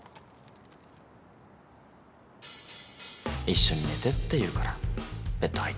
一緒に寝てって言うからベッド入って